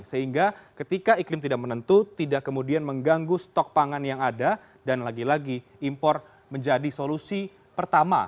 sehingga ketika iklim tidak menentu tidak kemudian mengganggu stok pangan yang ada dan lagi lagi impor menjadi solusi pertama